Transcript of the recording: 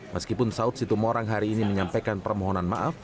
meskipun saud situmorang hari ini menyampaikan permohonan maaf